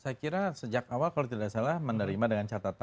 saya kira sejak awal kalau tidak salah menerima dengan catatan